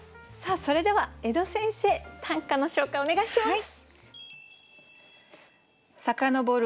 それでは江戸先生短歌の紹介をお願いします。